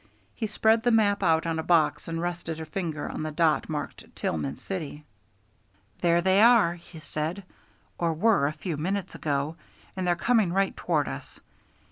He spread the map out on a box and rested a finger on the dot marked Tillman City. "There they are," he said, "or were a few minutes ago, and they're coming right toward us.